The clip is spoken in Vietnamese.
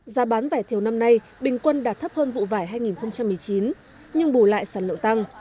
giá bán vải thiều năm nay bình quân đạt thấp hơn vụ vải hai nghìn một mươi chín nhưng bù lại sản lượng tăng